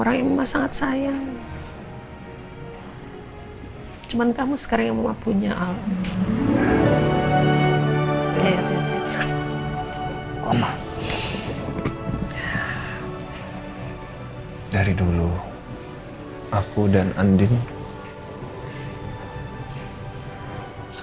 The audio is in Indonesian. yang mau menerima kita apa adanya